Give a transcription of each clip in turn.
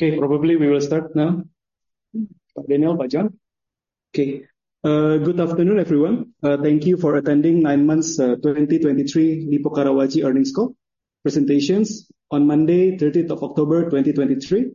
Okay, probably we will start now. Daniel Phua, John. Okay. Good afternoon, everyone. Thank you for attending 9 months, 2023 Lippo Karawaci Earnings Call presentation on Monday, 13th of October, 2023.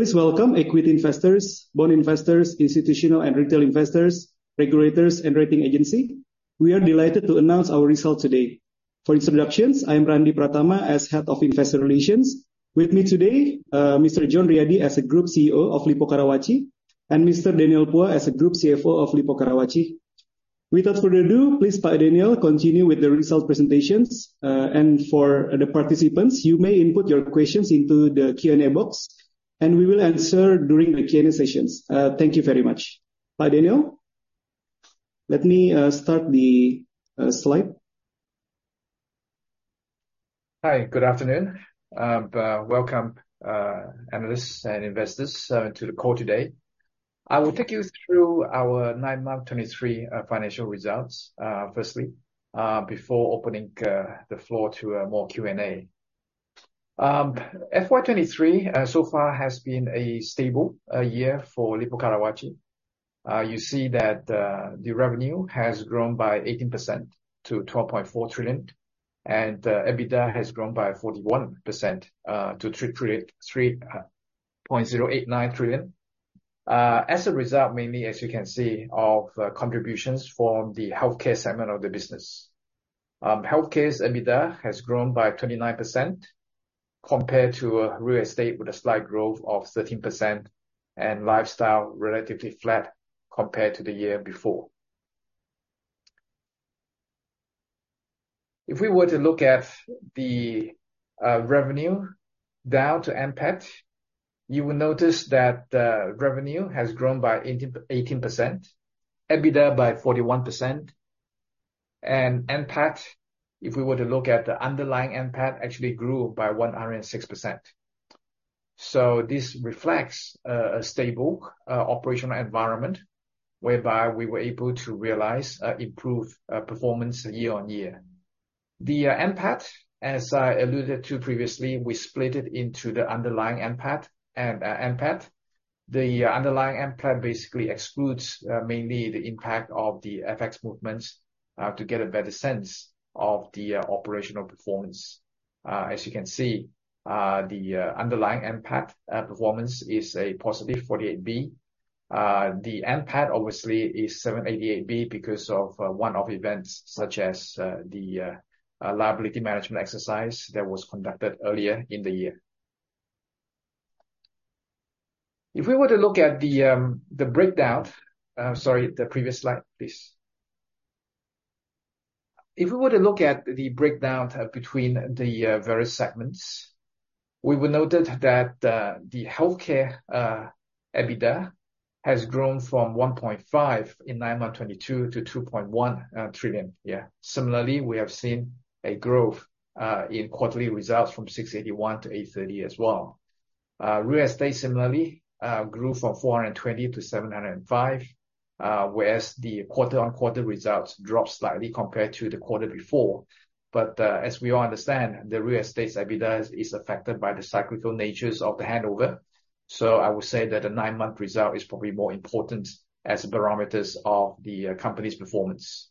Please welcome equity investors, bond investors, institutional and retail investors, regulators, and rating agency. We are delighted to announce our results today. For introductions, I am Randi Prathama, as Head of Investor Relations. With me today, Mr. John Riady, as Group CEO of Lippo Karawaci, and Mr. Daniel Phua, as Group CFO of Lippo Karawaci. Without further do, please, Pak Daniel, continue with the results presentation. For the participants, you may input your questions into the Q&A box, and we will answer during the Q&A sessions. Thank you very much. Pak Daniel, let me start the slide. Hi. Good afternoon. Welcome, analysts and investors, to the call today. I will take you through our nine-month 2023 financial results, firstly, before opening the floor to more Q&A. FY 2023 so far has been a stable year for Lippo Karawaci. You see that the revenue has grown by 18% to 12.4 trillion, and EBITDA has grown by 41% to 3.089 trillion. As a result, mainly as you can see, of contributions from the healthcare segment of the business. Healthcare's EBITDA has grown by 29% compared to real estate, with a slight growth of 13%, and lifestyle relatively flat compared to the year before. If we were to look at the revenue down to NPAT, you will notice that revenue has grown by 18%, EBITDA by 41%, and NPAT, if we were to look at the underlying NPAT, actually grew by 106%. This reflects a stable operational environment, whereby we were able to realize improved performance year-on-year. The NPAT, as I alluded to previously, we split it into the underlying NPAT and NPAT. The underlying NPAT basically excludes mainly the impact of the FX movements to get a better sense of the operational performance. As you can see, the underlying NPAT performance is a positive 48 billion. The NPAT obviously is 788 billion because of, one-off events, such as, the liability management exercise that was conducted earlier in the year. If we were to look at the breakdown... sorry, the previous slide, please. If we were to look at the breakdown, between the various segments, we will noted that, the healthcare EBITDA has grown from 1.5 trillion in 9M 2022 to 2.1 trillion. Similarly, we have seen a growth, in quarterly results from 681 to 830 as well. Real estate similarly, grew from 420 to 705, whereas the quarter-on-quarter results dropped slightly compared to the quarter before. As we all understand, the real estate's EBITDA is affected by the cyclical natures of the handover, so I would say that the nine-month result is probably more important as barometers of the company's performance.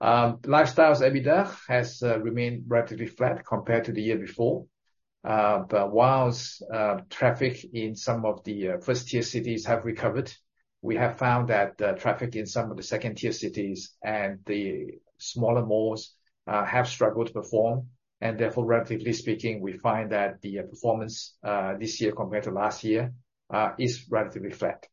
Lifestyle EBITDA has remained relatively flat compared to the year before. Whilst traffic in some of the first tier cities have recovered, we have found that the traffic in some of the 2nd tier cities and the smaller malls have struggled to perform, and therefore, relatively speaking, we find that the performance this year compared to last year is relatively flat.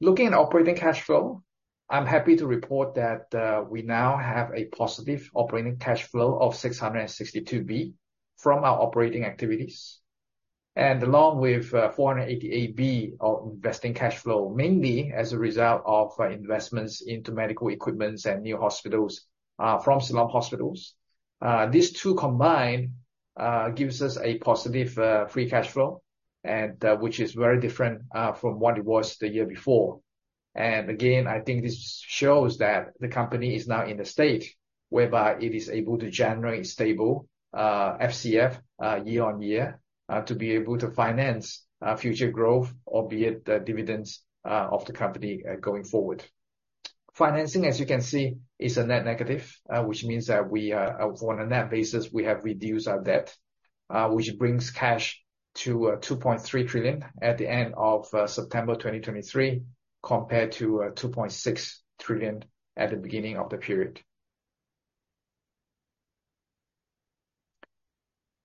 Looking at operating cash flow, I'm happy to report that we now have a positive operating cash flow of 662 billion from our operating activities. Along with 488 billion of investing cash flow, mainly as a result of investments into medical equipments and new hospitals from Siloam Hospitals. These two combined gives us a positive free cash flow, and which is very different from what it was the year before. Again, I think this shows that the company is now in a state whereby it is able to generate stable FCF year-on-year to be able to finance future growth, albeit the dividends of the company going forward. Financing, as you can see, is a net negative, which means that we are, on a net basis, we have reduced our debt, which brings cash to 2.3 trillion at the end of September 2023, compared to 2.6 trillion at the beginning of the period.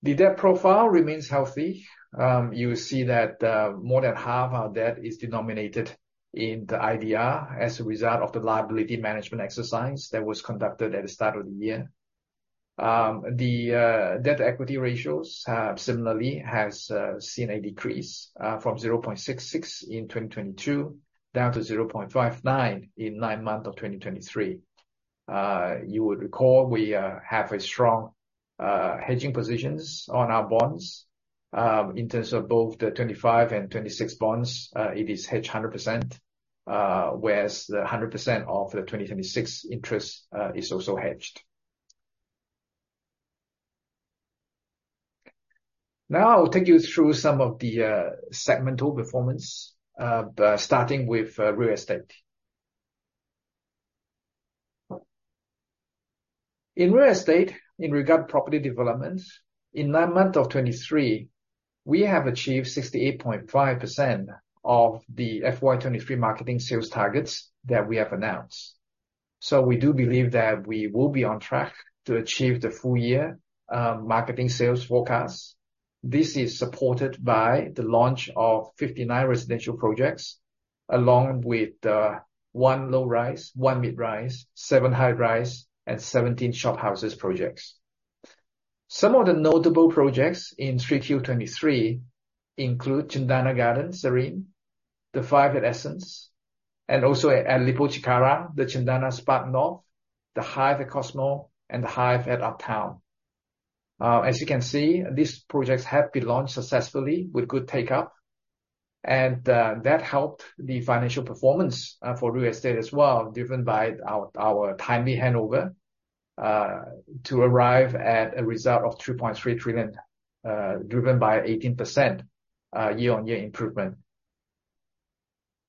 The debt profile remains healthy. You will see that, more than half our debt is denominated in the IDR as a result of the liability management exercise that was conducted at the start of the year. The, debt equity ratios have similarly has, seen a decrease, from 0.66 in 2022 down to 0.59 in nine months of 2023. You would recall we, have a strong, hedging positions on our bonds. In terms of both the 25 and 26 bonds, it is hedged 100%, whereas 100% of the 2026 interest is also hedged. Now I'll take you through some of the segmental performance, starting with real estate. In real estate, in regard property developments, in the month of 2023, we have achieved 68.5% of the FY 2023 marketing sales targets that we have announced. We do believe that we will be on track to achieve the full year marketing sales forecast. This is supported by the launch of 59 residential projects, along with 1 low-rise, 1 mid-rise, 7 high-rise, and 17 shophouses projects. Some of the notable projects in Q3 2023 include Cendana Gard'n Serene, The Hive at Essence, and also at Lippo Cikarang, the Cendana Spark North, The Hive at Cosmo, and The Hive at Uptown. As you can see, these projects have been launched successfully with good take-up, and that helped the financial performance for real estate as well, driven by our timely handover to arrive at a result of 3.3 trillion, driven by 18% year-on-year improvement.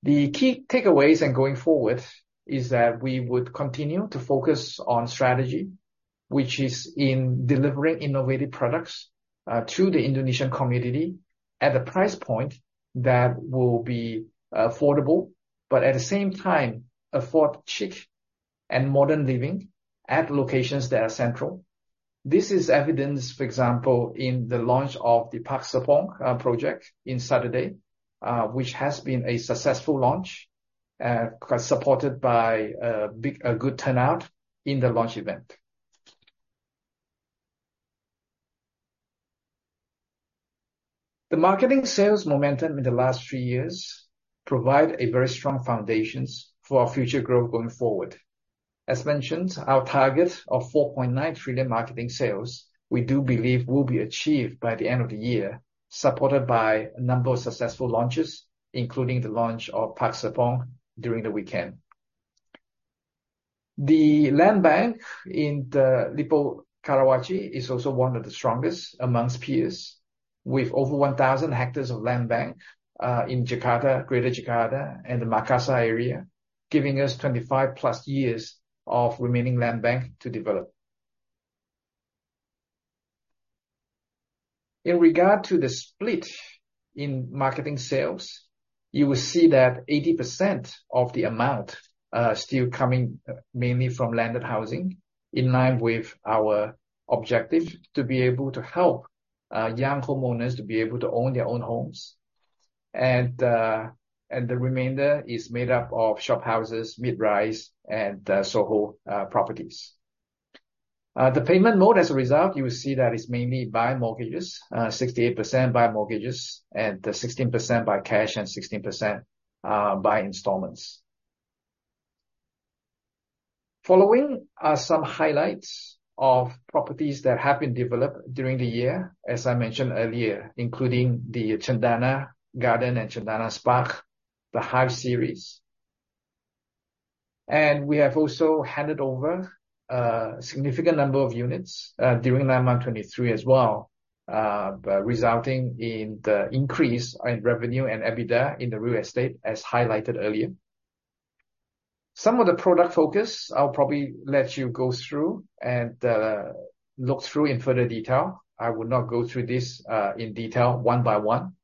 The key takeaways and going forward is that we would continue to focus on strategy, which is in delivering innovative products to the Indonesian community at a price point that will be affordable, but at the same time, afford chic and modern living at locations that are central. This is evidenced, for example, in the launch of the Park Serpong project on Saturday, which has been a successful launch, supported by a big, a good turnout in the launch event. The marketing sales momentum in the last three years provide a very strong foundations for our future growth going forward. As mentioned, our target of 4.9 trillion marketing sales, we do believe will be achieved by the end of the year, supported by a number of successful launches, including the launch of Park Serpong during the weekend. The land bank in the Lippo Karawaci is also one of the strongest amongst peers, with over 1,000 hectares of land bank in Jakarta, Greater Jakarta, and the Makassar area, giving us 25+ years of remaining land bank to develop. In regard to the split in marketing sales, you will see that 80% of the amount still coming mainly from landed housing, in line with our objective to be able to help young homeowners to be able to own their own homes. The remainder is made up of shophouses, mid-rise, and SOHO properties. The payment mode, as a result, you will see that it's mainly by mortgages, 68% by mortgages and 16% by cash and 16% by installments. Following are some highlights of properties that have been developed during the year, as I mentioned earlier, including the Cendana Garden and Cendana Spark, the Hive series. We have also handed over a significant number of units during 9 months 2023 as well, resulting in the increase in revenue and EBITDA in the real estate, as highlighted earlier. Some of the product focus, I'll probably let you go through and look through in further detail. I will not go through this in detail one by one.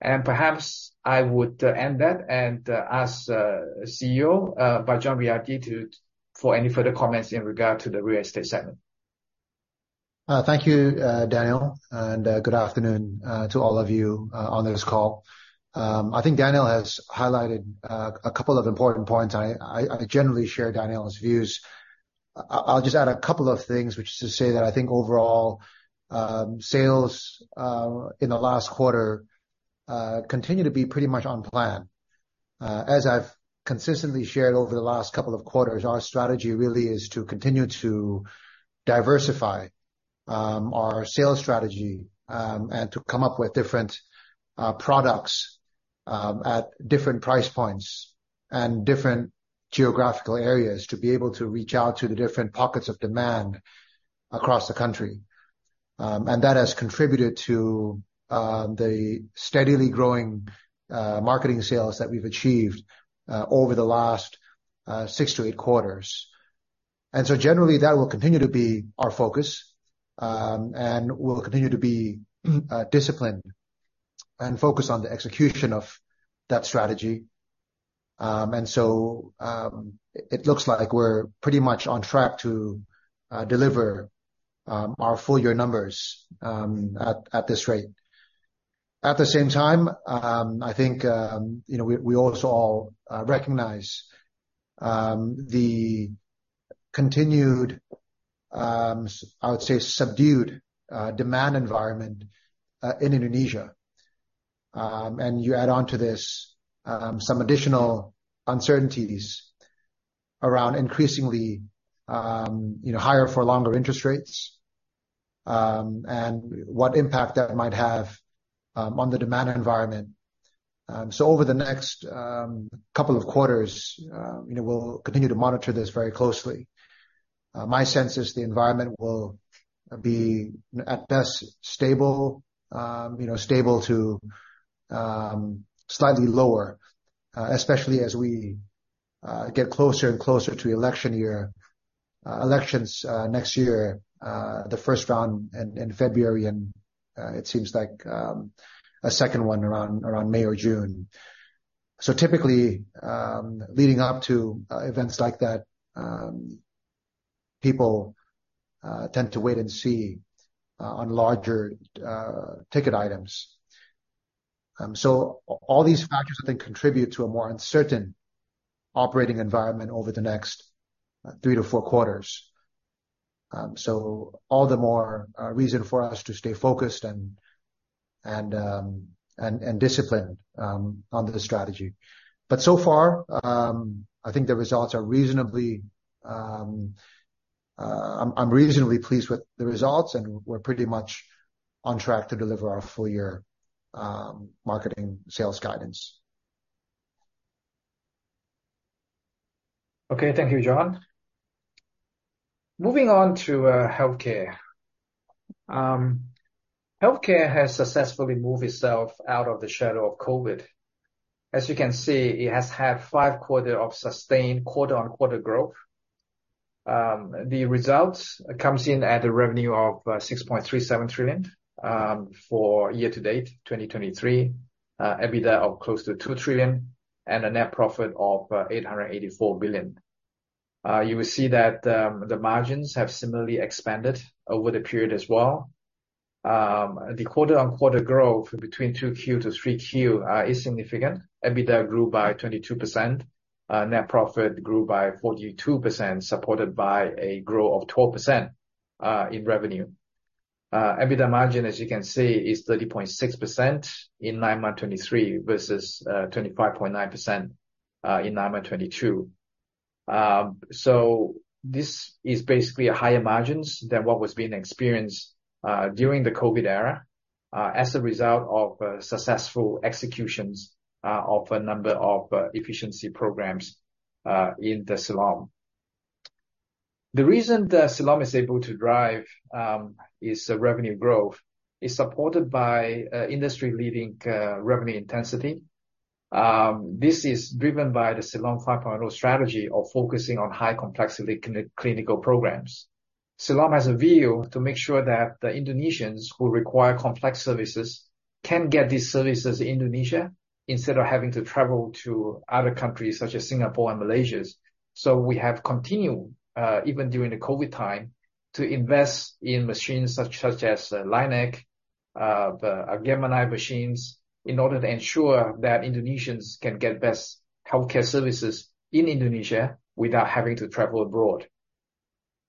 Perhaps I would end that and ask CEO John Riady to for any further comments in regard to the real estate segment. Thank you, Daniel, and good afternoon to all of you on this call. I think Daniel has highlighted a couple of important points. I generally share Daniel's views. I'll just add a couple of things, which is to say that I think overall, sales in the last quarter continue to be pretty much on plan. As I've consistently shared over the last couple of quarters, our strategy really is to continue to diversify our sales strategy and to come up with different products at different price points and different geographical areas, to be able to reach out to the different pockets of demand across the country. That has contributed to the steadily growing marketing sales that we've achieved over the last 6-8 quarters. Generally, that will continue to be our focus, and we'll continue to be disciplined and focused on the execution of that strategy. It looks like we're pretty much on track to deliver our full year numbers at this rate. At the same time, I think, we also all recognize the continued, I would say, subdued demand environment in Indonesia. You add on to this some additional uncertainties around increasingly, higher for longer interest rates, and what impact that might have on the demand environment. Over the next couple of quarters, we'll continue to monitor this very closely. My sense is the environment will be at best stable, stable to slightly lower, especially as we get closer and closer to election year. Elections next year, the first round in February, and it seems like a second one around May or June. Typically, leading up to events like that, people tend to wait and see on larger ticket items. All these factors I think contribute to a more uncertain operating environment over the next three to Q4. All the more reason for us to stay focused and disciplined on the strategy. So far, I think the results are reasonably, I'm reasonably pleased with the results, and we're pretty much on track to deliver our full year marketing sales guidance. Okay, thank you, John. Moving on to healthcare. Healthcare has successfully moved itself out of the shadow of COVID. As you can see, it has had 5 quarters of sustained quarter-on-quarter growth. The results come in at a revenue of 6.37 trillion for year-to-date 2023, EBITDA of close to 2 trillion, and a net profit of 884 billion. You will see that the margins have similarly expanded over the period as well. The quarter-on-quarter growth between 2Q to 3Q is significant. EBITDA grew by 22%, net profit grew by 42%, supported by a growth of 12% in revenue. EBITDA margin, as you can see, is 30.6% in nine-month 2023 versus 25.9% in nine-month 2022. This is basically a higher margins than what was being experienced during the COVID era as a result of successful executions of a number of efficiency programs in the Siloam. The reason that Siloam is able to drive is revenue growth is supported by industry-leading revenue intensity. This is driven by the Siloam 5.0 strategy of focusing on high complexity clinical programs. Siloam has a view to make sure that the Indonesians who require complex services can get these services in Indonesia, instead of having to travel to other countries such as Singapore and Malaysia. We have continued even during the COVID time to invest in machines such as LINAC, the Gamma Knife machines, in order to ensure that Indonesians can get best healthcare services in Indonesia without having to travel abroad.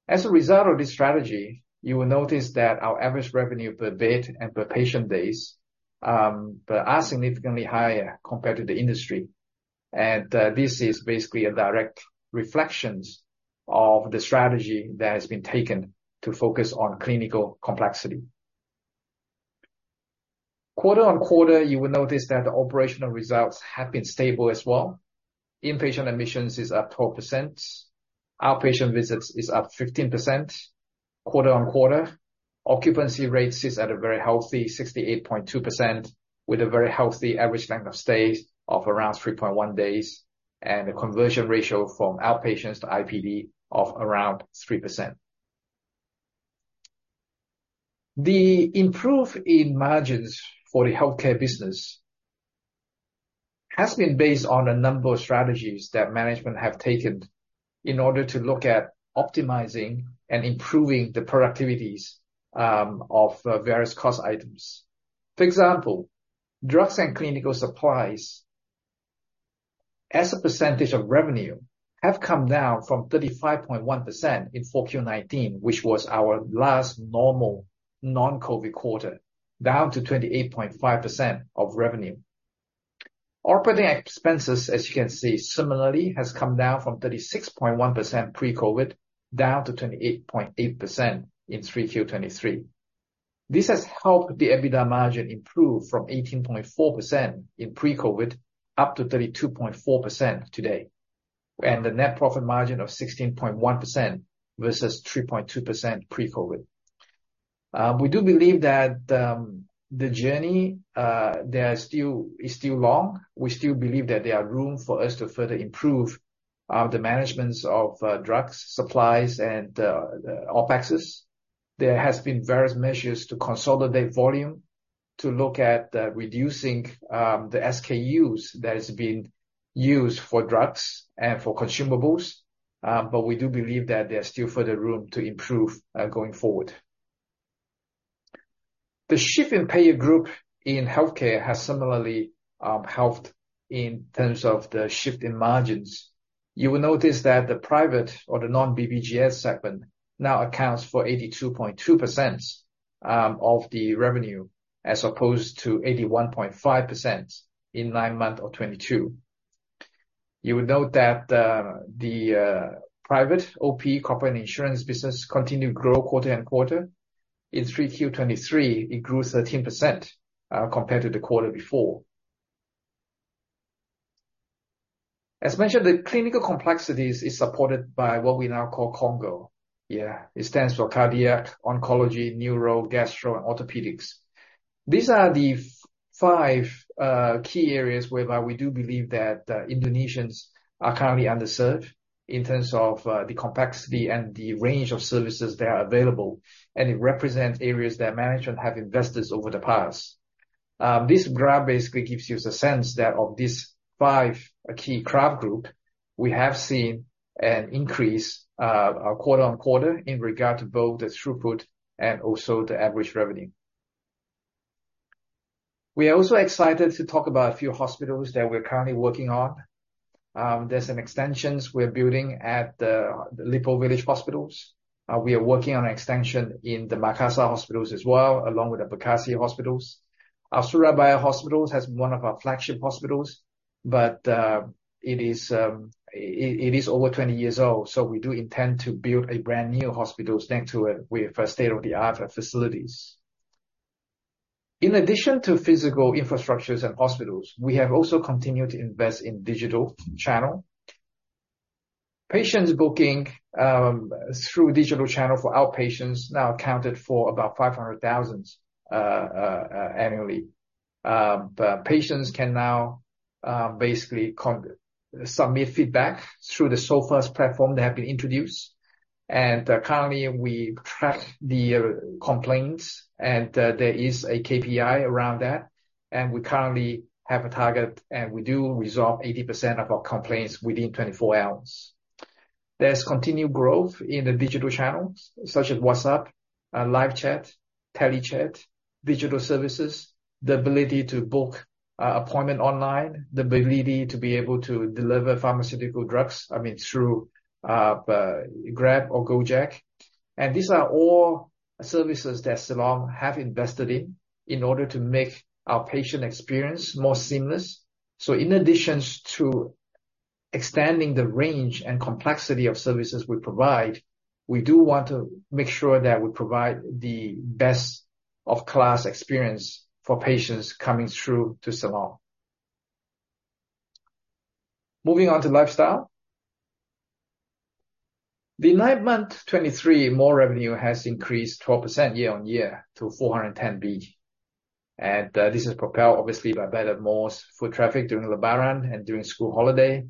As a result of this strategy, you will notice that our average revenue per bed and per patient days are significantly higher compared to the industry. This is basically a direct reflections of the strategy that has been taken to focus on clinical complexity. Quarter-over-quarter, you will notice that the operational results have been stable as well. Inpatient admissions is up 12%, outpatient visits is up 15%, quarter-over-quarter. Occupancy rate sits at a very healthy 68.2%, with a very healthy average length of stay of around 3.1 days, and a conversion ratio from outpatients to IPD of around 3%. The improvement in margins for the healthcare business has been based on a number of strategies that management have taken in order to look at optimizing and improving the productivities of various cost items. For example, drugs and clinical supplies, as a percentage of revenue, have come down from 35.1% in 4Q2019, which was our last normal non-COVID quarter, down to 28.5% of revenue. Operating expenses, as you can see, similarly, has come down from 36.1% pre-COVID, down to 28.8% in Q3 2023. This has helped the EBITDA margin improve from 18.4% in pre-COVID up to 32.4% today, and the net profit margin of 16.1% versus 3.2% pre-COVID. We do believe that the journey is still long. We still believe that there are room for us to further improve the managements of drugs, supplies, and opexes. There has been various measures to consolidate volume, to look at reducing the SKUs that has been used for drugs and for consumables. We do believe that there are still further room to improve going forward. The shift in payer group in healthcare has similarly helped in terms of the shift in margins. You will notice that the private or the non-BPJS segment now accounts for 82.2%. Of the revenue, as opposed to 81.5% in nine months of 2022. You will note that, the private OP corporate insurance business continued to grow quarter and quarter. In Q3 2023, it grew 13%, compared to the quarter before. As mentioned, the clinical complexities is supported by what we now call CONGO. Yeah, it stands for cardiac, oncology, neuro, gastro, and orthopedics. These are the five key areas whereby we do believe that, Indonesians are currently underserved in terms of, the complexity and the range of services that are available, and it represents areas that management have invested over the past. This graph basically gives you the sense that of these five key CONGO group, we have seen an increase, quarter-over-quarter in regard to both the throughput and also the average revenue. We are also excited to talk about a few hospitals that we're currently working on. There's an extension we're building at the Lippo Village Hospitals. We are working on an extension in the Makassar hospitals as well, along with the Bekasi hospitals. Our Surabaya hospitals has one of our flagship hospitals, but it is over 20 years old, so we do intend to build a brand-new hospital next to it with state-of-the-art facilities. In addition to physical infrastructures and hospitals, we have also continued to invest in digital channel. Patients booking through digital channel for outpatients now accounted for about 500,000 annually. Patients can now basically submit feedback through the Siloam platform that have been introduced. Currently, we track the complaints, and there is a KPI around that, and we currently have a target, and we do resolve 80% of our complaints within 24 hours. There's continued growth in the digital channels, such as WhatsApp, Live Chat, TeleChat, digital services, the ability to book appointment online, the ability to be able to deliver pharmaceutical drugs, through Grab or Gojek. These are all services that Siloam have invested in in order to make our patient experience more seamless. In addition to extending the range and complexity of services we provide, we do want to make sure that we provide the best of class experience for patients coming through to Siloam. Moving on to lifestyle. The nine-month 2023 mall revenue has increased 12% year-on-year to 410 billion. This is propelled obviously by better malls, foot traffic during Lebaran and during school holiday.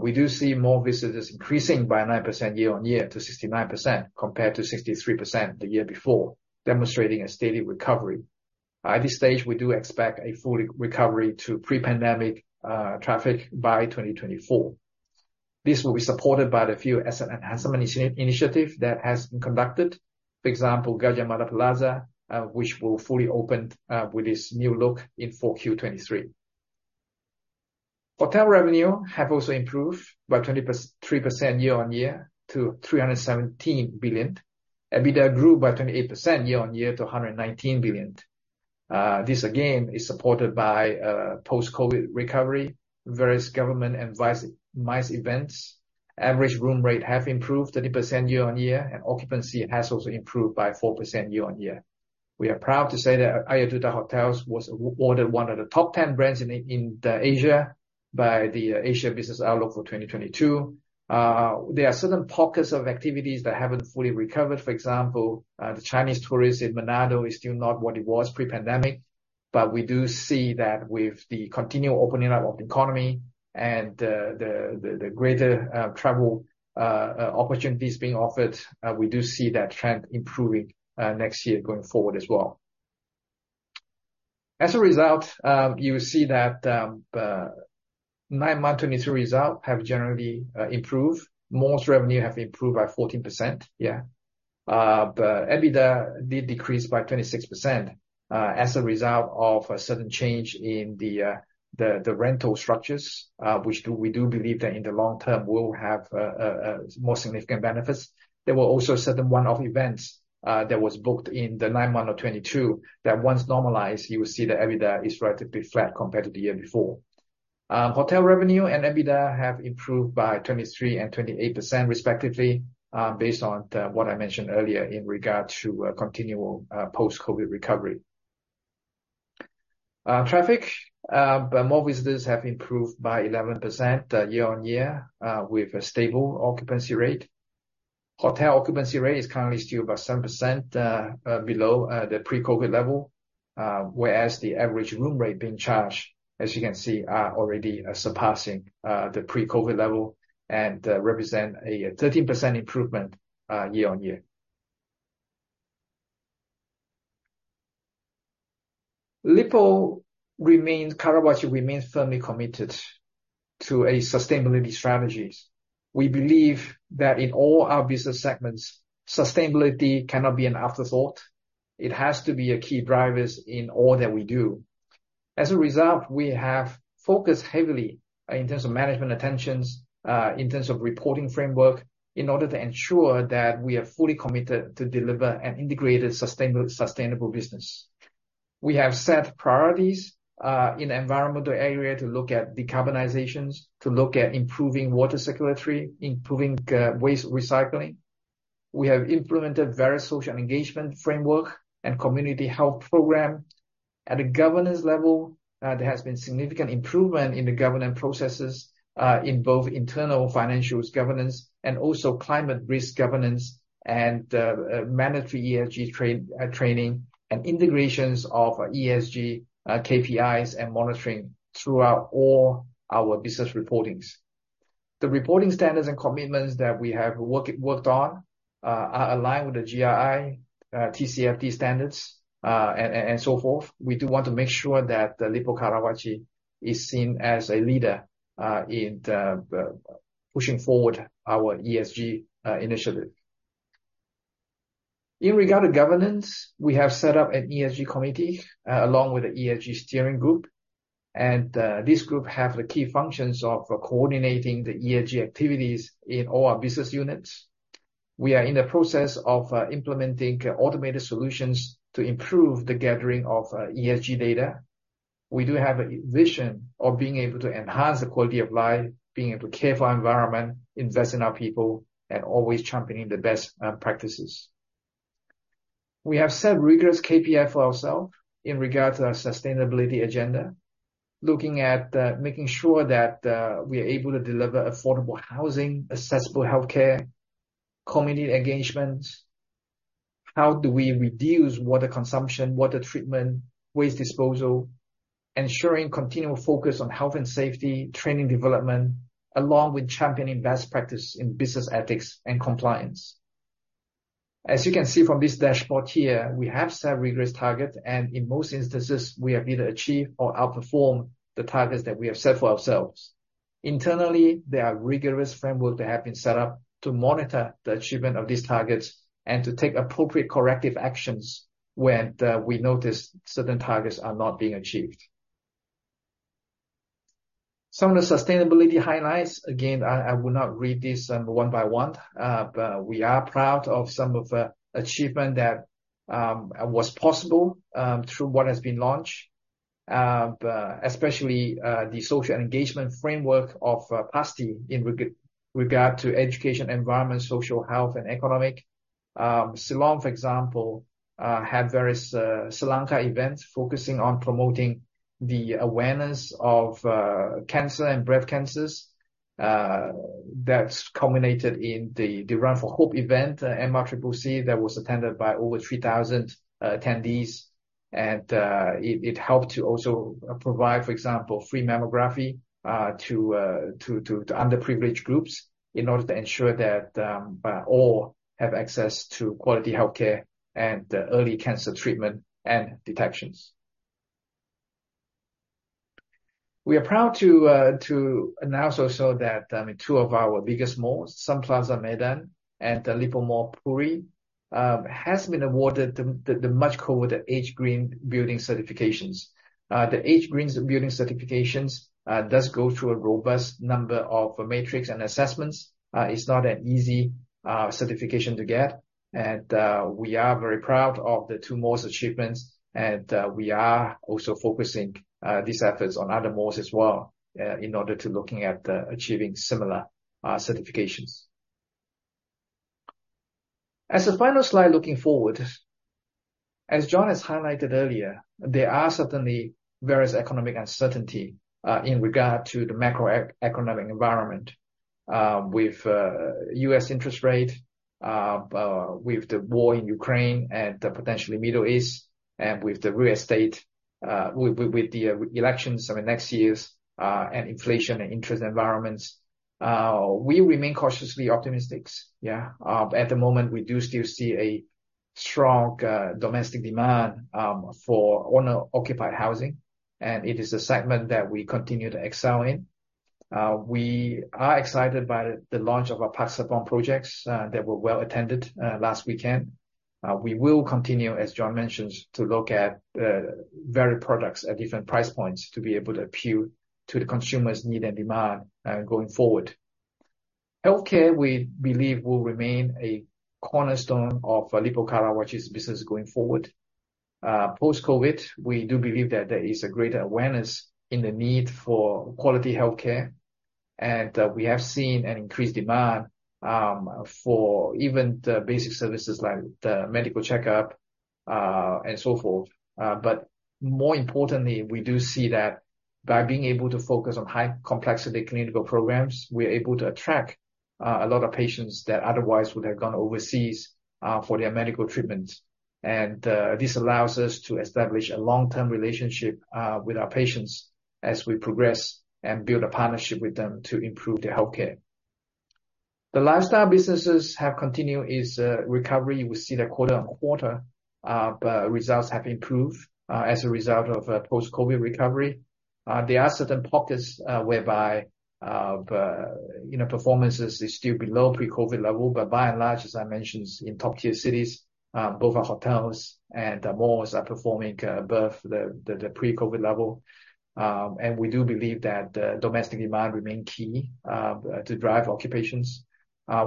We do see more visitors increasing by 9% year-on-year to 69%, compared to 63% the year before, demonstrating a steady recovery. At this stage, we do expect a full recovery to pre-pandemic traffic by 2024. This will be supported by the few asset enhancement initiative that has been conducted. For example, Gajah Mada Plaza, which will fully open with this new look in 4Q23. Hotel revenue have also improved by 23% year-on-year to 317 billion. EBITDA grew by 28% year-on-year to 119 billion. This again is supported by post-COVID recovery, various government and MICE events. Average room rate have improved 30% year-on-year, and occupancy has also improved by 4% year-on-year. We are proud to say that Aryaduta Hotels was awarded one of the top 10 brands in Asia by the Asia Business Outlook for 2022. There are certain pockets of activities that haven't fully recovered. For example, the Chinese tourists in Manado is still not what it was pre-pandemic, but we do see that with the continued opening up of economy and the greater travel opportunities being offered, we do see that trend improving next year going forward as well. As a result, you will see that nine-month 2023 result have generally improved. Most revenue have improved by 14%. EBITDA did decrease by 26%, as a result of a sudden change in the rental structures, which we do believe that in the long term will have more significant benefits. There were also certain one-off events that was booked in the 9 months of 2022, that once normalized, you will see the EBITDA is relatively flat compared to the year before. Hotel revenue and EBITDA have improved by 23 and 28% respectively, based on what I mentioned earlier in regard to continual post-COVID recovery. Traffic, but more visitors have improved by 11%, year-on-year, with a stable occupancy rate. Hotel occupancy rate is currently still about 7%, below the pre-COVID level, whereas the average room rate being charged, as you can see, are already surpassing the pre-COVID level and represent a 13% improvement year on year. Lippo Karawaci remains firmly committed to a sustainability strategy. We believe that in all our business segments, sustainability cannot be an afterthought. It has to be a key driver in all that we do. As a result, we have focused heavily in terms of management attention, in terms of reporting framework, in order to ensure that we are fully committed to deliver an integrated, sustainable business. We have set priorities in environmental area to look at decarbonization, to look at improving water circularity, improving waste recycling. We have implemented various social engagement framework and community health program. At a governance level, there has been significant improvement in the governance processes, in both internal financials governance and also climate risk governance and mandatory ESG training and integrations of ESG KPIs and monitoring throughout all our business reportings. The reporting standards and commitments that we have worked on are aligned with the GRI, TCFD standards, and so forth. We do want to make sure that the Lippo Karawaci is seen as a leader in pushing forward our ESG initiative. In regard to governance, we have set up an ESG committee along with the ESG steering group, and this group have the key functions of coordinating the ESG activities in all our business units. We are in the process of implementing automated solutions to improve the gathering of ESG data. We do have a vision of being able to enhance the quality of life, being able to care for our environment, invest in our people, and always championing the best, practices. We have set rigorous KPI for ourselves in regard to our sustainability agenda. Looking at, making sure that, we are able to deliver affordable housing, accessible healthcare, community engagements. How do we reduce water consumption, water treatment, waste disposal? Ensuring continual focus on health and safety, training, development, along with championing best practice in business ethics and compliance. As you can see from this dashboard here, we have set rigorous target, and in most instances, we have either achieved or outperformed the targets that we have set for ourselves. Internally, there are rigorous framework that have been set up to monitor the achievement of these targets and to take appropriate corrective actions when we notice certain targets are not being achieved. Some of the sustainability highlights, again, I will not read this one by one, but we are proud of some of the achievement that was possible through what has been launched. Especially, the social engagement framework of PASTI in regard to education, environment, social, health, and economic. Siloam, for example, have various Siloam events focusing on promoting the awareness of cancer and breast cancer. That's culminated in the Run for Hope event, MRCCC, that was attended by over 3,000 attendees. It helped to also provide, for example, free mammography to underprivileged groups in order to ensure that all have access to quality healthcare and early cancer treatment and detections. We are proud to announce also that two of our biggest malls, Sun Plaza Medan and the Lippo Mall Puri, has been awarded the much coveted EDGE Green Building certifications. The EDGE Green Building certifications does go through a robust number of metrics and assessments. It's not an easy certification to get, and we are very proud of the two malls' achievements. We are also focusing these efforts on other malls as well in order to looking at achieving similar certifications. As a final slide, looking forward, as John has highlighted earlier, there are certainly various economic uncertainty in regard to the macroeconomic environment. With U.S. interest rate, with the war in Ukraine and the potentially Middle East, and with the real estate, with the elections over the next years, and inflation and interest environments, we remain cautiously optimistic. At the moment, we do still see a strong domestic demand for owner-occupied housing, and it is a segment that we continue to excel in. We are excited by the launch of our Park Serpong projects that were well attended last weekend. We will continue, as John mentioned, to look at varied products at different price points to be able to appeal to the consumers' need and demand going forward. Healthcare, we believe, will remain a cornerstone of Lippo Karawaci business going forward. Post-COVID, we do believe that there is a greater awareness in the need for quality healthcare, and we have seen an increased demand for even the basic services like the medical checkup and so forth. More importantly, we do see that by being able to focus on high complexity clinical programs, we're able to attract a lot of patients that otherwise would have gone overseas for their medical treatment. This allows us to establish a long-term relationship with our patients as we progress and build a partnership with them to improve their healthcare. The lifestyle businesses have continued its recovery. We see that quarter-on-quarter but results have improved as a result of post-COVID recovery. There are certain pockets, whereby, performances is still below pre-COVID level. By and large, as I mentioned, in top-tier cities, both our hotels and the malls are performing above the pre-COVID level. We do believe that the domestic demand remain key to drive occupations.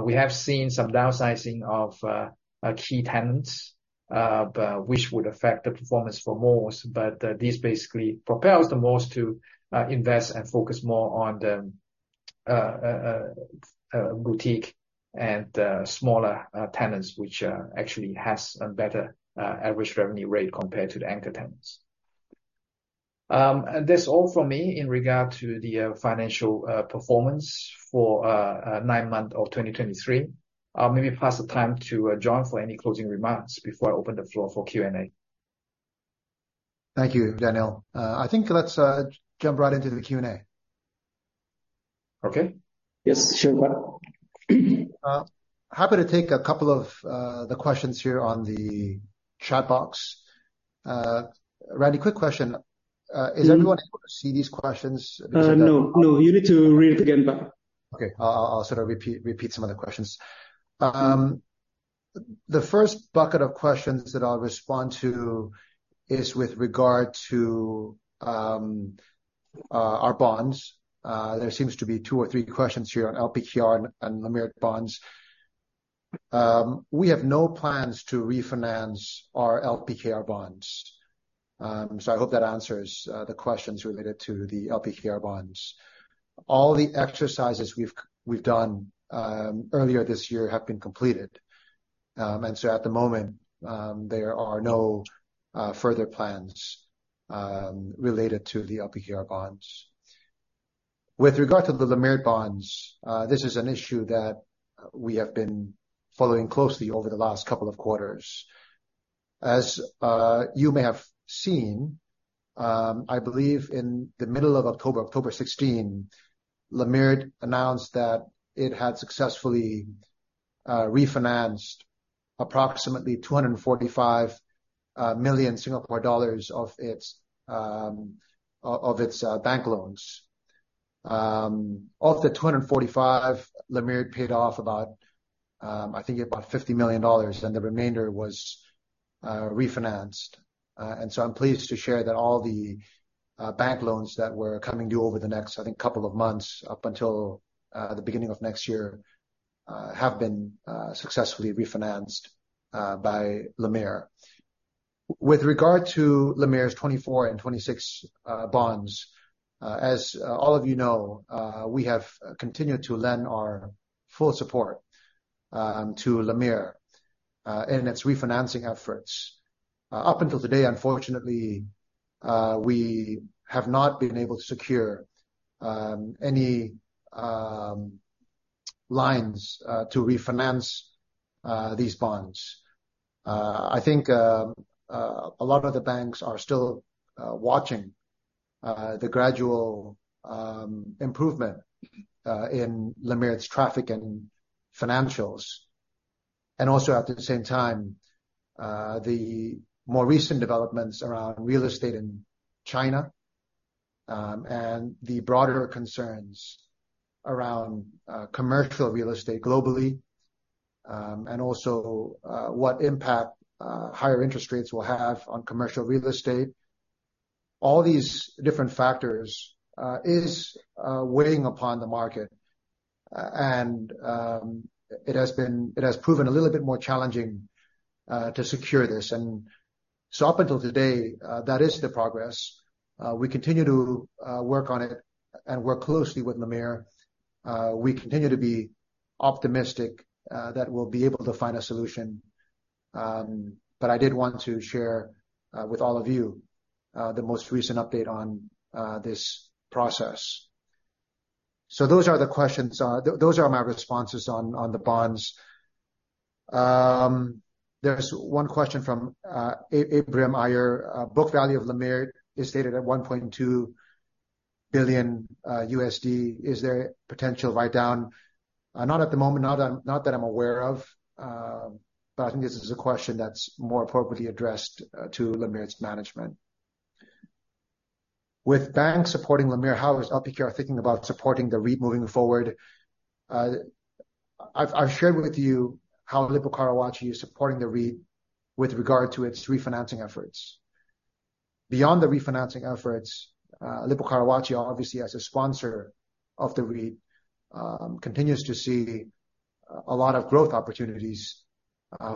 We have seen some downsizing of key tenants, but which would affect the performance for malls, but this basically propels the malls to invest and focus more on the boutique and smaller tenants, which actually has a better average revenue rate compared to the anchor tenants. That's all from me in regard to the financial performance for nine months of 2023. I'll maybe pass the time to, John, for any closing remarks before I open the floor for Q&A. Thank you, Daniel. I think let's jump right into the Q&A. Okay. Yes, sure, bud. Happy to take a couple of the questions here on the chat box. Randi, quick question. Is everyone able to see these questions? No, no. You need to read it again, bud. Okay, I'll sort of repeat some of the questions. The first bucket of questions that I'll respond to is with regard to our bonds. There seems to be two or three questions here on LPKR and the LMIRT bonds. We have no plans to refinance our LPKR bonds. I hope that answers the questions related to the LPKR bonds. All the exercises we've done earlier this year have been completed. At the moment, there are no further plans related to the LPKR bonds. With regard to the LMIRT bonds, this is an issue that we have been following closely over the last couple of quarters. As you may have seen, I believe in the middle of October, October 16, LMIRT announced that it had successfully refinanced approximately SGD 245 million of its bank loans. Of the 245, LMIRT paid off about, I think about 50 million dollars, and the remainder was refinanced. I'm pleased to share that all the bank loans that were coming due over the next, I think, couple of months, up until the beginning of next year, have been successfully refinanced by LMIRT. With regard to LMIRT's 2024 and 2026 bonds, as all of you know, we have continued to lend our full support to LMIRT in its refinancing efforts. Up until today, unfortunately, we have not been able to secure any lines to refinance these bonds. I think a lot of the banks are still watching the gradual improvement in LMIRT's traffic and financials. Also at the same time, the more recent developments around real estate in China, and the broader concerns around commercial real estate globally, and also what impact higher interest rates will have on commercial real estate. All these different factors is weighing upon the market, and it has proven a little bit more challenging to secure this. Up until today, that is the progress. We continue to work on it and work closely with LMIRT. We continue to be optimistic that we'll be able to find a solution. I did want to share with all of you the most recent update on this process. Those are the questions... Those are my responses on the bonds. There's one question from Abraham Iyer. Book value of LMIRT is stated at $1.2 billion. Is there potential write down? Not at the moment, not that I'm aware of, but I think this is a question that's more appropriately addressed to LMIRT's management. With banks supporting LMIRT, how is LPKR thinking about supporting the REIT moving forward? I've shared with you how Lippo Karawaci is supporting the REIT with regard to its refinancing efforts. Beyond the refinancing efforts, Lippo Karawaci, obviously, as a sponsor of the REIT, continues to see a lot of growth opportunities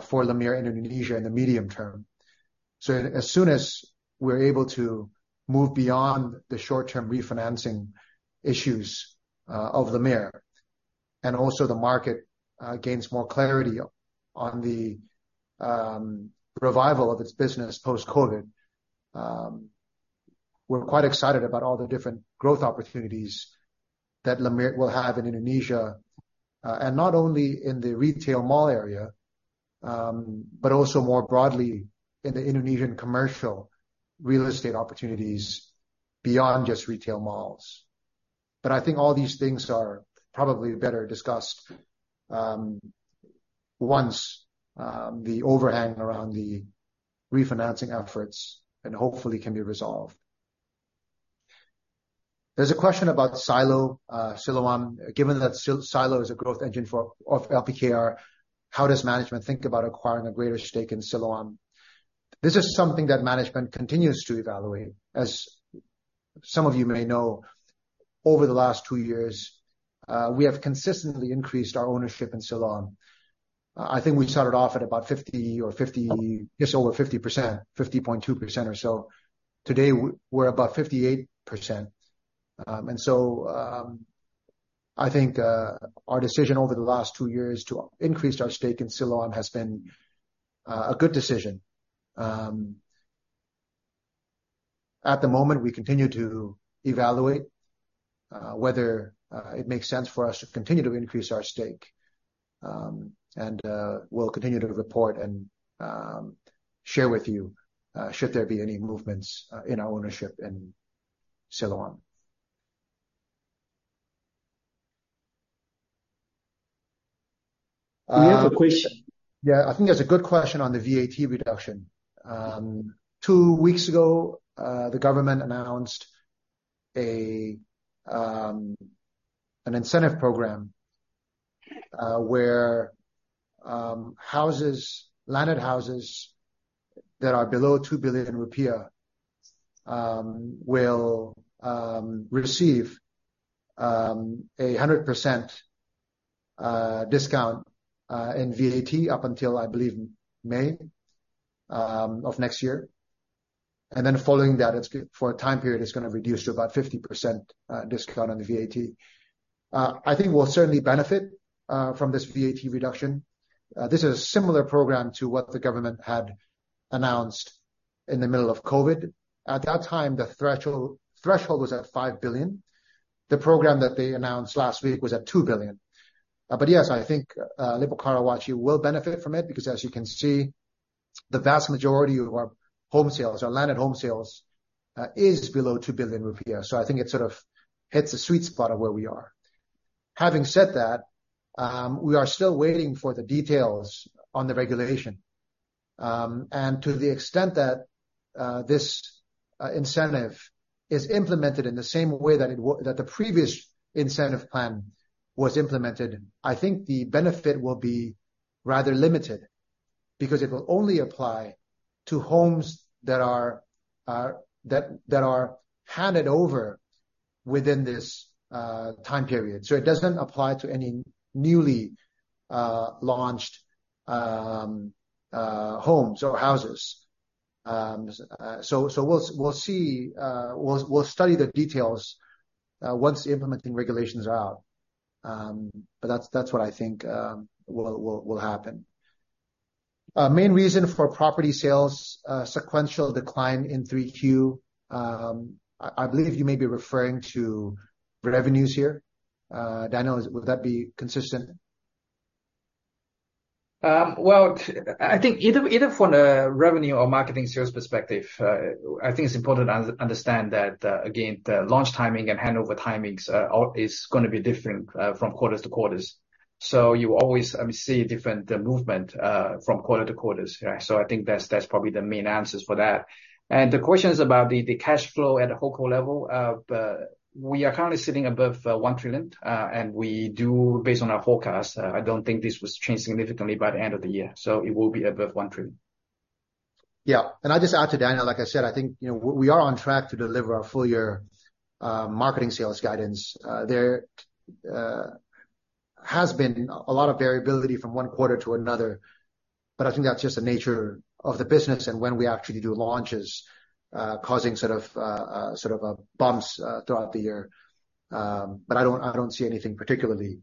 for LMIRT in Indonesia in the medium term. As soon as we're able to move beyond the short-term refinancing issues of LMIRT, and also the market gains more clarity on the revival of its business post-COVID, we're quite excited about all the different growth opportunities that LMIRT will have in Indonesia, and not only in the retail mall area, but also more broadly in the Indonesian commercial real estate opportunities beyond just retail malls. I think all these things are probably better discussed once the overhang around the refinancing efforts and hopefully can be resolved. There's a question about Siloam. Given that Silo is a growth engine for, of LPKR, how does management think about acquiring a greater stake in Siloam? This is something that management continues to evaluate. As some of you may know, over the last 2 years, we have consistently increased our ownership in Siloam. I think we started off at about 50 or 50... Just over 50%, 50.2% or so. Today, we're about 58%. I think, our decision over the last 2 years to increase our stake in Siloam has been, a good decision. At the moment, we continue to evaluate, whether, it makes sense for us to continue to increase our stake. We'll continue to report and, share with you, should there be any movements, in our ownership in Siloam. We have a question. Yeah, I think there's a good question on the VAT reduction. Two weeks ago, the government announced an incentive program where houses, landed houses that are below IDR 2 billion, will receive a 100% discount in VAT up until, I believe, May of next year. Then following that, it's for a time period, it's gonna reduce to about 50% discount on the VAT. I think we'll certainly benefit from this VAT reduction. This is a similar program to what the government had announced in the middle of COVID. At that time, the threshold was at 5 billion. The program that they announced last week was at 2 billion. Yes, I think Lippo Karawaci will benefit from it, because as you can see, the vast majority of our home sales, our landed home sales, is below 2 billion rupiah. I think it sort of hits the sweet spot of where we are. Having said that, we are still waiting for the details on the regulation. To the extent that this incentive is implemented in the same way that the previous incentive plan was implemented, I think the benefit will be rather limited because it will only apply to homes that are handed over within this time period. It doesn't apply to any newly launched homes or houses. We'll see, we'll study the details once the implementing regulations are out. That's what I think will happen. Main reason for property sales sequential decline in 3Q. I believe you may be referring to revenues here. Daniel, would that be consistent? Well, I think either from the revenue or marketing sales perspective, I think it's important to understand that, again, the launch timing and handover timings are is gonna be different from quarters to quarters. You always see different movement from quarter to quarters. I think that's probably the main answer for that. The question is about the cash flow at the whole core level. We are currently sitting above one trillion, and we do... Based on our forecast, I don't think this was changed significantly by the end of the year, so it will be above 1 trillion. I just add to Daniel, like I said, we are on track to deliver our full year marketing sales guidance. There has been a lot of variability from Q1 to another, but I think that's just the nature of the business and when we actually do launches, causing sort of a bumps throughout the year. I don't see anything particularly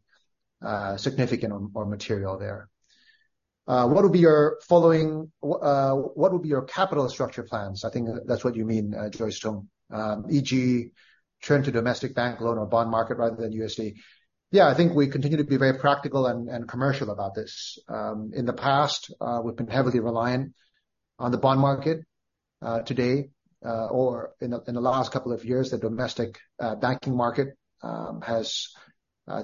significant or material there. What would be your following? What would be your capital structure plans? I think that's what you mean, Joyce Tong. E.g., turn to domestic bank loan or bond market rather than USD. Yeah, I think we continue to be very practical and commercial about this. In the past, we've been heavily reliant on the bond market. Today, or in the last couple of years, the domestic banking market has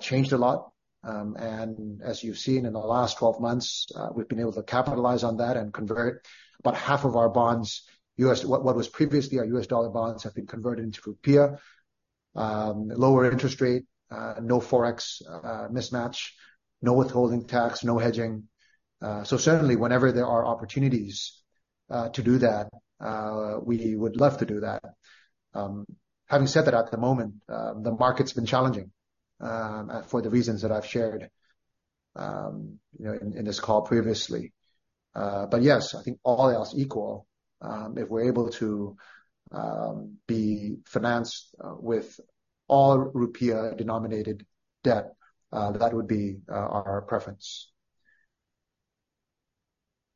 changed a lot. As you've seen in the last 12 months, we've been able to capitalize on that and convert about half of our bonds. What was previously our U.S. dollar bonds have been converted into rupiah. Lower interest rate, no forex mismatch, no withholding tax, no hedging. So certainly whenever there are opportunities to do that, we would love to do that. Having said that, at the moment, the market's been challenging for the reasons that I've shared, in this call previously. Yes, I think all else equal, if we're able to be financed with all rupiah-denominated debt, that would be our preference.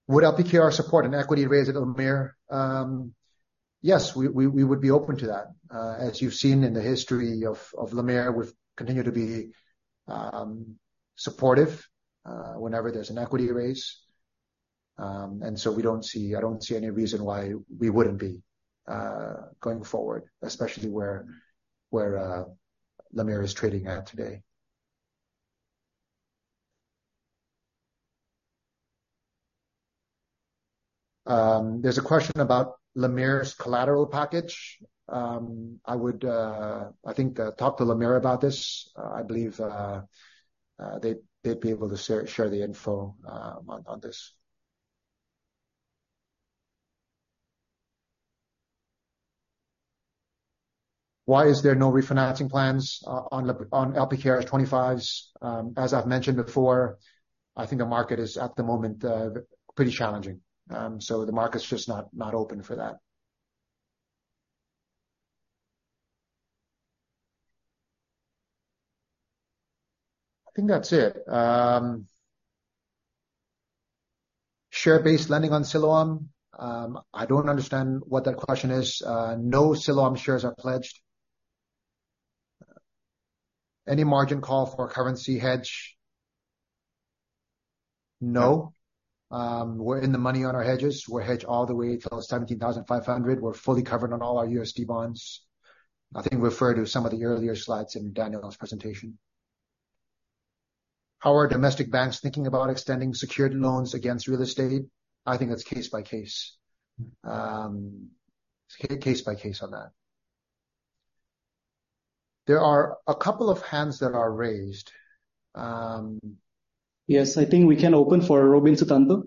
Would LPKR support an equity raise at LMIRT? Yes, we would be open to that. As you've seen in the history of LMIRT, we've continued to be supportive whenever there's an equity raise. So we don't see. I don't see any reason why we wouldn't be going forward, especially where LMIRT is trading at today. There's a question about LMIRT's collateral package. I would, I think, talk to LMIRT about this. I believe they'd be able to share the info on this. Why is there no refinancing plans on Lippo Karawaci 2025s? As I've mentioned before, I think the market is, at the moment, pretty challenging. So the market's just not open for that. I think that's it. Share-based lending on Siloam. I don't understand what that question is. No Siloam shares are pledged. Any margin call for currency hedge? No. We're in the money on our hedges. We're hedged all the way till 17,500. We're fully covered on all our USD bonds. I think refer to some of the earlier slides in Daniel's presentation. How are domestic banks thinking about extending secured loans against real estate? I think that's case by case. It's case by case on that. There are a couple of hands that are raised. Yes, I think we can open for Robin Sutanto.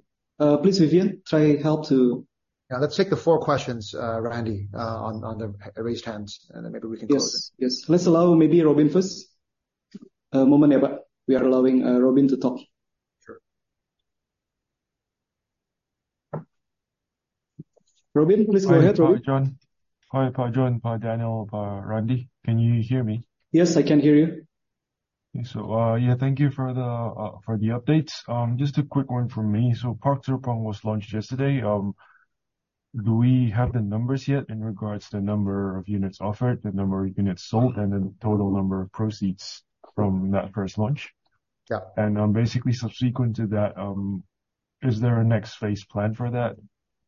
Please, Vivian, try help to- Yeah, let's take the 4 questions, Randi, on the raised hands, and then maybe we can close. Yes, yes. Let's allow maybe Robin first. A moment, Eba. We are allowing Robin to talk. Sure. Robin, please go ahead, Robin. Hi, John. Hi, John, Daniel, Randi. Can you hear me? Yes, I can hear you. Thank you for the updates. Just a quick one from me. Park Serpong was launched yesterday. Do we have the numbers yet in regards to the number of units offered, the number of units sold, and the total number of proceeds from that first launch? Yeah. Basically subsequent to that, is there a next phase plan for that?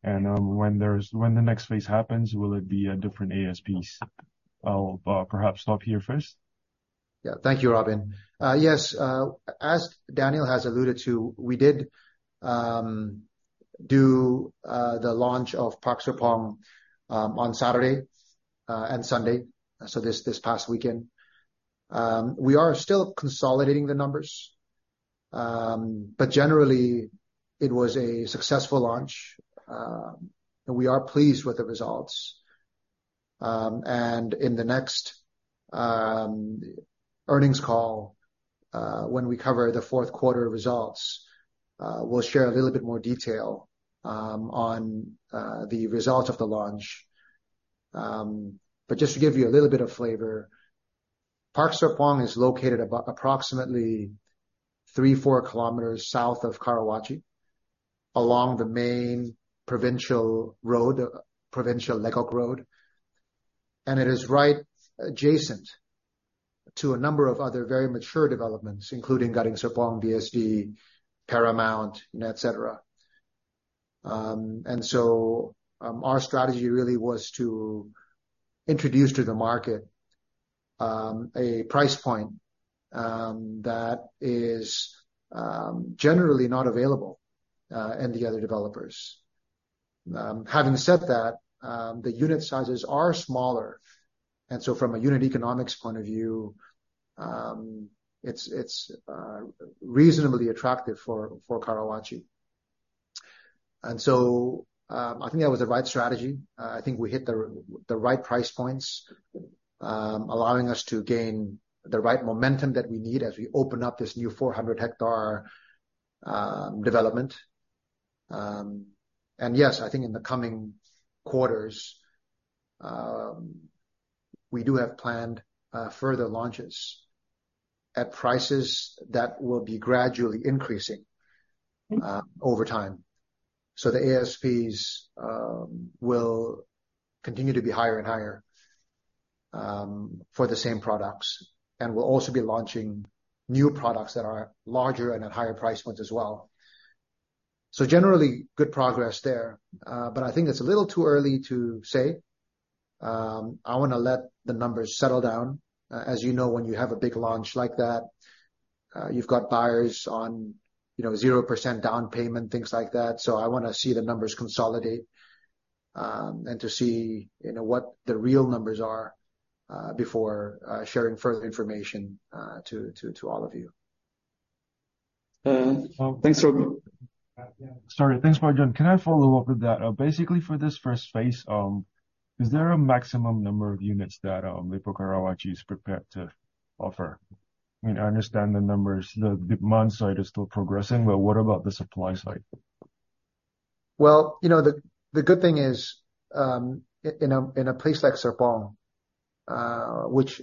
When the next phase happens, will it be a different ASPs? I'll perhaps stop here first. Thank you, Robin. Yes, as Daniel has alluded to, we did do the launch of Park Serpong on Saturday and Sunday, so this past weekend. We are still consolidating the numbers, but generally, it was a successful launch, and we are pleased with the results. In the next earnings call, when we cover the Q4 results, we'll share a little bit more detail on the results of the launch. Just to give you a little bit of flavor, Park Serpong is located about approximately 3-4 kilometers south of Karawaci, along the main provincial road, provincial Legok Road, and it is right adjacent to a number of other very mature developments, including Gading Serpong, BSD, Paramount, and etc. Our strategy really was to introduce to the market a price point that is generally not available in the other developers. Having said that, the unit sizes are smaller, and so from a unit economics point of view, it's reasonably attractive for Karawaci. I think that was the right strategy. I think we hit the right price points, allowing us to gain the right momentum that we need as we open up this new 400-hectare development. yes, I think in the coming quarters, we do have planned further launches at prices that will be gradually increasing over time. So the ASPs will continue to be higher and higher for the same products, and we'll also be launching new products that are larger and at higher price points as well. So generally, good progress there, but I think it's a little too early to say. I wanna let the numbers settle down. As when you have a big launch like that, you've got buyers on, 0% down payment, things like that. I wanna see the numbers consolidate, and to see, what the real numbers are before sharing further information to all of you. Thanks, Robin. Sorry. Thanks, John. Can I follow up with that? Basically, for this first phase, is there a maximum number of units that, Lippo Karawaci is prepared to offer? I understand the numbers, the demand side is still progressing, but what about the supply side? The good thing is, in a place like Serpong, which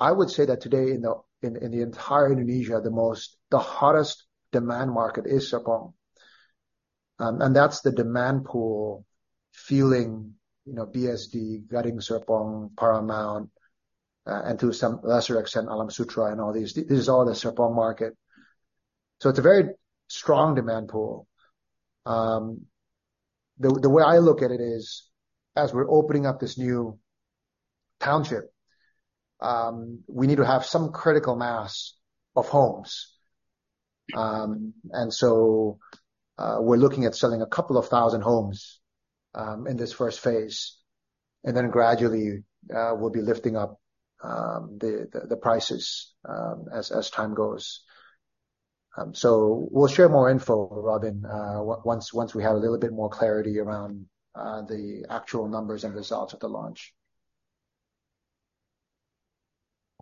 I would say that today in the entire Indonesia, the hottest demand market is Serpong. That's the demand pool feeling, BSD, Gading Serpong, Paramount, and to some lesser extent, Alam Sutera and all these. This is all the Serpong market. It's a very strong demand pool. The way I look at it is, as we're opening up this new township, we need to have some critical mass of homes. We're looking at selling a couple of thousand homes, in this first phase, and then gradually, we'll be lifting up the prices, as time goes. We'll share more info, Robin, once we have a little bit more clarity around the actual numbers and results of the launch.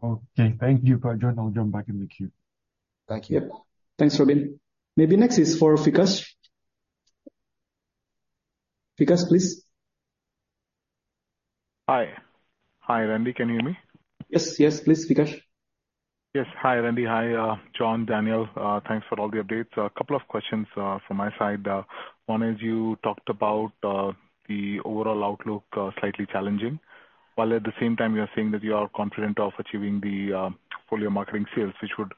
Okay. Thank you, John. I'll jump back in the queue. Thank you. Yep. Thanks, Robin. Maybe next is for Vikas. Vikas, please. Hi. Hi, Randi, can you hear me? Yes, yes, please, Vikas. Yes. Hi, Randi. Hi, John, Daniel. Thanks for all the updates. A couple of questions from my side. One is you talked about the overall outlook slightly challenging, while at the same time you are saying that you are confident of achieving the full year marketing sales, which would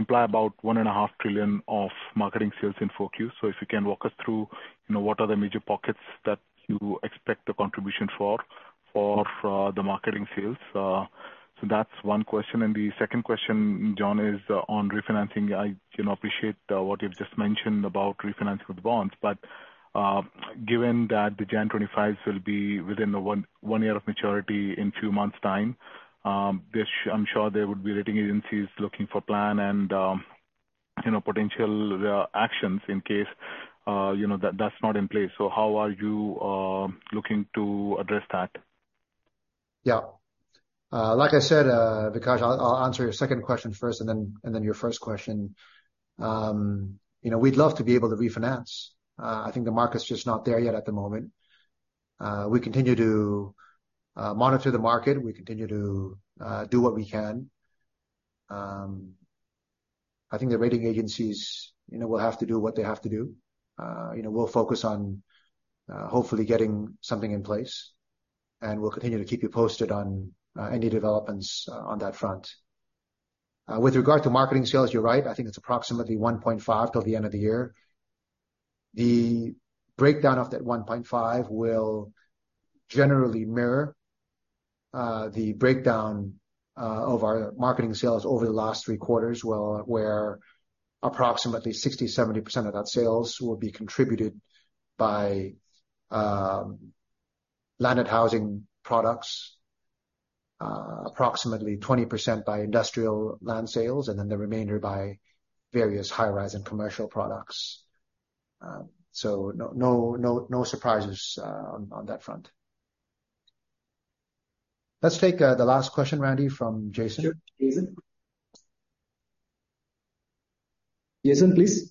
imply about 1.5 trillion of marketing sales in Q4. So if you can walk us through, what are the major pockets that you expect the contribution for, for the marketing sales? That's one question. The second question, John, is on refinancing. I appreciate what you've just mentioned about refinancing with bonds, but given that the Jan 2025s will be within the one year of maturity in two months' time, I'm sure there would be rating agencies looking for plan and potential actions in case, that's not in place. How are you looking to address that? Like I said, Vikas, I'll, I'll answer your second question first and then, and then your first question. We'd love to be able to refinance. I think the market's just not there yet at the moment. We continue to monitor the market. We continue to do what we can. I think the rating agencies, will have to do what they have to do. We'll focus on hopefully getting something in place, and we'll continue to keep you posted on any developments on that front. With regard to marketing sales, you're right, I think it's approximately 1.5 till the end of the year. The breakdown of that 1.5 will generally mirror the breakdown of our marketing sales over the last Q3, where approximately 60-70% of that sales will be contributed by landed housing products, approximately 20% by industrial land sales, and then the remainder by various high-rise and commercial products. No surprises on that front. Let's take the last question, Randi, from Jason. Sure. Jason? Jason, please.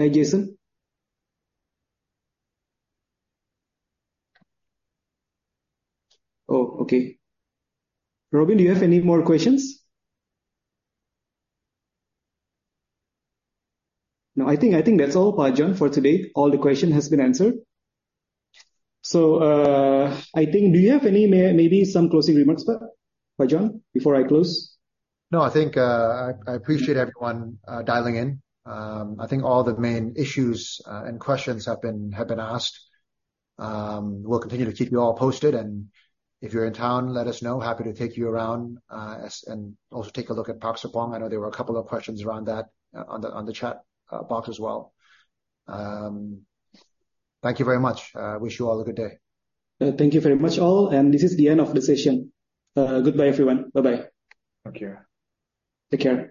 Hi, Jason. Oh, okay. Robin, do you have any more questions? No, I think, I think that's all, John, for today. All the question has been answered. I think... Do you have any maybe some closing remarks, John, before I close? No, I think I appreciate everyone dialing in. I think all the main issues and questions have been asked. We'll continue to keep you all posted, and if you're in town, let us know. Happy to take you around and also take a look at Park Serpong. I know there were a couple of questions around that on the chat box as well. Thank you very much. Wish you all a good day. Thank you very much, all. This is the end of the session. Goodbye, everyone. Bye-bye. Thank you. Take care.